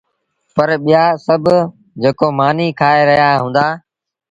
پر ٻيآ سڀ جيڪو مآݩيٚ کآئي رهيآ هُݩدآ